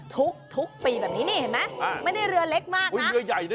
ทุกปีแบบนี้นี่เห็นไหมไม่ได้เรือเล็กมากนะ